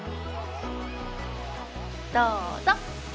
どうぞ。